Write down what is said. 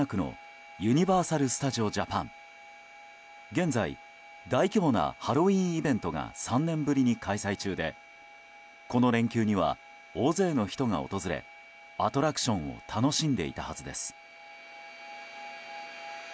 現在、大規模なハロウィーンイベントが３年ぶりに開催中でこの連休には大勢の人が訪れアトラクションを楽しんでいたはずです。